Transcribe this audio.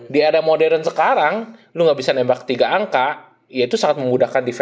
dijadikan pr juga bagi coach dev